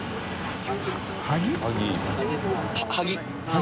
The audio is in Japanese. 萩。